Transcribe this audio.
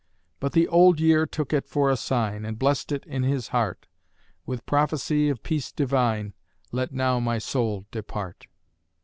But the old year took it for a sign, And blessed it in his heart: "With prophecy of peace divine, Let now my soul depart."